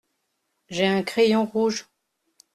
J’ai un crayon rouge.